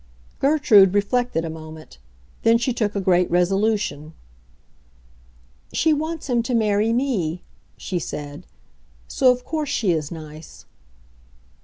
Gertrude reflected a moment. Then she took a great resolution. "She wants him to marry me," she said. "So of course she is nice."